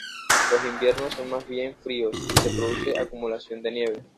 Los inviernos son más bien fríos y se produce acumulación de nieve.